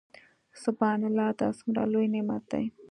سبحان الله دا څومره لوى نعمت دى.